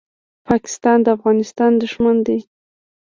پاکستان د افغانستان دښمن دی.